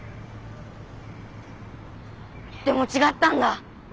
でも違ったんだ。